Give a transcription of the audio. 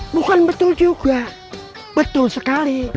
bukan betul juga betul sekali